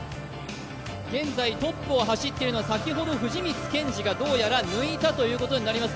現在トップを走っているのは先ほど藤光謙司がどうやら抜いたということになります。